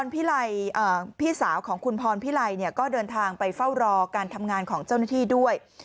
พี่สาวของคุณพรพิไลก็เดินทางไปเฝ้ารอการทำงานของเจ้าหน้าที่ด้วย